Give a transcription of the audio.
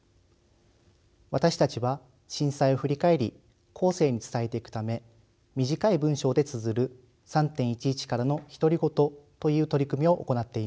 私たちは震災を振り返り後世に伝えていくため短い文章でつづる「３．１１からの独り言」という取り組みを行っています。